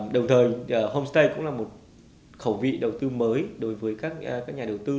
đồng thời homestay cũng là một khẩu vị đầu tư mới đối với các nhà đầu tư